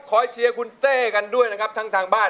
เชียร์คุณเต้กันด้วยนะครับทั้งทางบ้าน